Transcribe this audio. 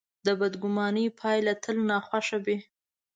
د بدګمانۍ پایله تل ناخوښه وي.